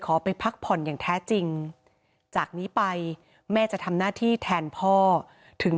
ไปพักผ่อนอย่างแท้จริงจากนี้ไปแม่จะทำหน้าที่แทนพ่อถึง